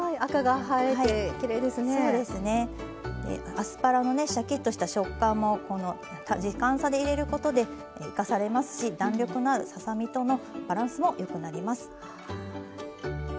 アスパラのねシャキッとした食感も時間差で入れることで生かされますし弾力のあるささ身とのバランスもよくなります。